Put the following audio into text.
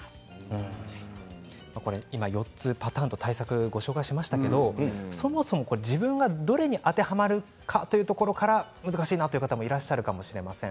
今４つのパターンの対策をご紹介しましたがそもそも自分がどれに当てはまるか分からない難しいという方もいらっしゃるかもしれません。